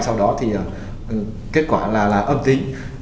sau đó thì kết quả là âm tin